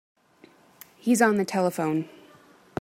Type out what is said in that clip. He's on the telephone.